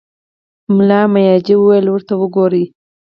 ملا مياجي وويل: ورته وګورئ!